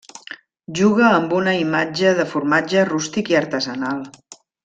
Juga amb una imatge de formatge rústic i artesanal.